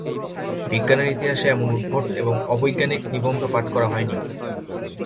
বিজ্ঞানের ইতিহাসে এমন উদ্ভট এবং অবৈজ্ঞানিক নিবন্ধ পাঠ করা হয় নি।